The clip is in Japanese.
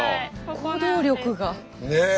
行動力が。ねえ。